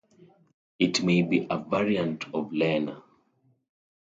It may be a variant of Lena.